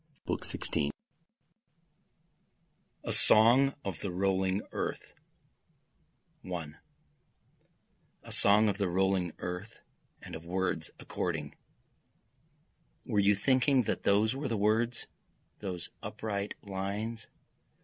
BOOK XVI A Song of the Rolling Earth 1 A song of the rolling earth, and of words according, Were you thinking that those were the words, those upright lines?